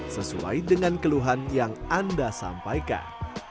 sesuai dengan keluhan yang anda sampaikan